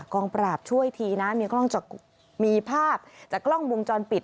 กองปราบช่วยทีนะมีภาพจากกล้องวงจรปิด